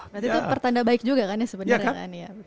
berarti itu pertanda baik juga kan ya sebenarnya